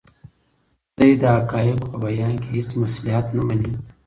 دی د حقایقو په بیان کې هیڅ مصلحت نه مني.